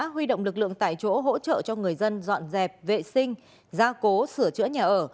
huy động lực lượng tại chỗ hỗ trợ cho người dân dọn dẹp vệ sinh gia cố sửa chữa nhà ở